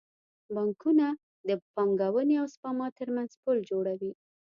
بانکونه د پانګونې او سپما ترمنځ پل جوړوي.